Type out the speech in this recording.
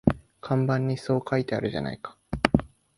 看板にそう書いてあるじゃないか